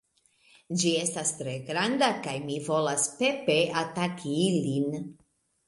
Ĝi estas tre granda. kaj mi volas pepe ataki ilin